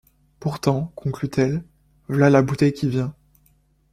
Pourtant, conclut-elle, v’là la bouteille qui vient...